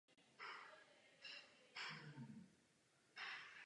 Poté ho odveze do svého paláce.